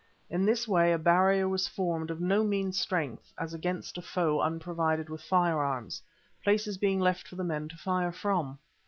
In this way a barrier was formed of no mean strength as against a foe unprovided with firearms, places being left for the men to fire from.